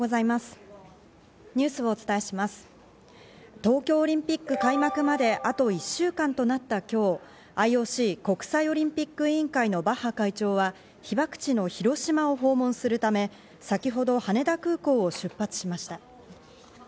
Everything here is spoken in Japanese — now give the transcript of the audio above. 東京オリンピック開幕まであと１週間となった今日、ＩＯＣ＝国際オリンピック委員会のバッハ会長は被爆地の広島を訪問するため、先ほど羽田空港を出発しました。